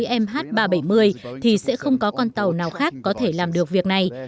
không thể tìm thấy mh ba trăm bảy mươi thì sẽ không có con tàu nào khác có thể làm được việc này